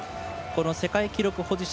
世界記録保持者